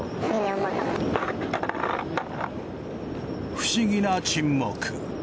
不思議な沈黙。